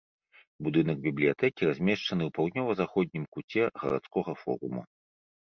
Будынак бібліятэкі размешчаны ў паўднёва-заходнім куце гарадскога форуму.